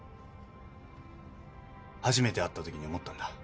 初めて会ったときに思ったんだ。